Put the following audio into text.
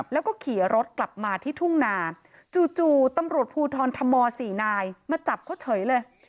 แล้วก็ขี่รถกลับมาที่ทุ่งนาจู่ตำรวจภูทรธม๔นายมาจับเขาเฉยเลย